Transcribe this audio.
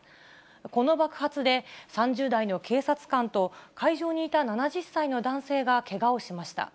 この爆発で、３０代の警察官と会場にいた７０歳の男性がけがをしました。